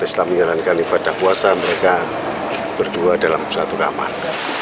tapi kita menyelenggarkan lipat dah puasa mereka berdua dalam satu kamar